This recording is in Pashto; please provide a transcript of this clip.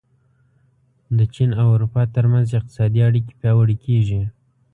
د چین او اروپا ترمنځ اقتصادي اړیکې پیاوړې کېږي.